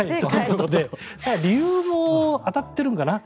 理由も当たってるのかな。